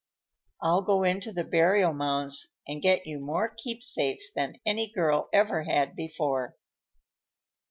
I'll go into the burial mounds and get you more keepsakes than any girl ever had before."